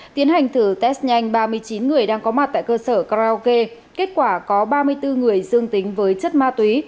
tiến hành thử test nhanh ba mươi chín người đang có mặt tại cơ sở karaoke kết quả có ba mươi bốn người dương tính với chất ma túy